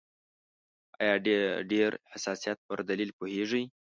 آیا د ډېر حساسیت پر دلیل پوهیږئ؟